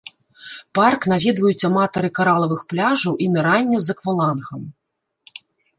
Парк наведваюць аматары каралавых пляжаў і нырання з аквалангам.